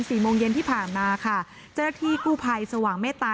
โมงเย็นที่ผ่านมาค่ะเจ้าหน้าที่กู้ภัยสว่างเมตตา